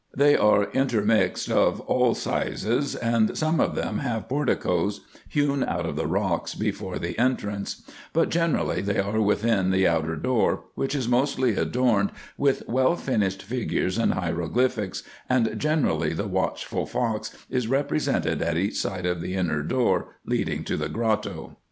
They are intermixed of all sizes ; and some of them have porticoes hewn out of the rocks before the entrance ; but, generally, they are within the outer door, which is mostly adorned with well finished figures and hieroglyphics, and generally the watchful fox is represented at each side of the inner door leading to the grotto.